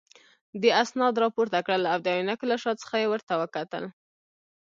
دې اسناد راپورته کړل او د عینکو له شا څخه یې ورته وکتل.